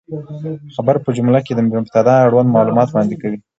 خبر په جمله کښي د مبتداء اړوند معلومات وړاندي کوي.